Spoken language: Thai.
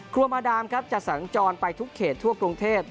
ครัวมาดามจะสังจรไปทุกเขตทั่วกรุงเทพฯ